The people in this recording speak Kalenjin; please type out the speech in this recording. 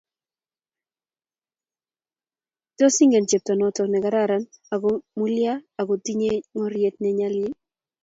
Tos ingen cheptonoto negararan ago mulyal agotinyei ngoryet nenyalil